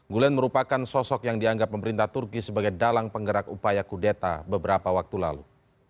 gulenn merupakan sosok yang dianggap pemerintah turki sebagai dalang penggerak upaya kudeta beberapa waktu lalu